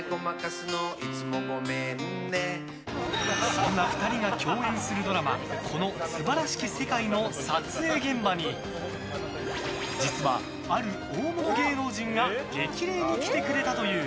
そんな２人が共演するドラマ「この素晴らしき世界」の撮影現場に実は、ある大物芸能人が激励に来てくれたという。